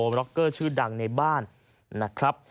บล็อกเกอร์ชื่อดังในบ้านนะครับ